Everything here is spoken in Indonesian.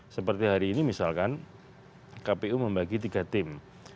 seperti hari ini misalkan kpu membagi tiga tim